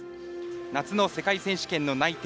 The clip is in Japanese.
夏の世界選手権の内定